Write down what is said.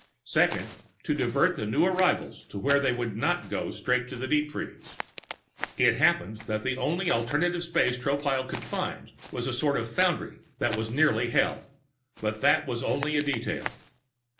Second, to divert the new arrivals to where they would not go straight to deep freeze. It happened that the only alternate space Tropile could find was a sort of foundry that was nearly Hell, but that was only a detail.